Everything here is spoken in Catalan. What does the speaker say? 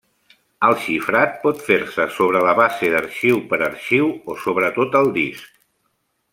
El xifrat pot fer-se sobre la base d'arxiu per arxiu o sobre tot el disc.